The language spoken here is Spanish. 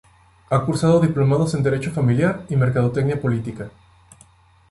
Ha cursado diplomados en Derecho Familiar y Mercadotecnia Política.